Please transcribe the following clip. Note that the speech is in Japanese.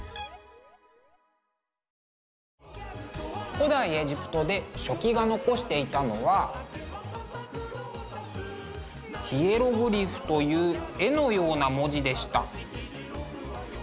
古代エジプトで書記が残していたのはヒエログリフという絵のような文字でした。